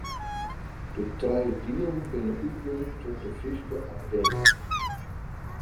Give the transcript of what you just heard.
De trije dielen binne útjûn troch de Fryske Akademy.